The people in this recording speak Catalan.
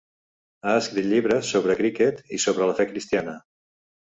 Ha escrit llibres sobre criquet i sobre la fe cristiana.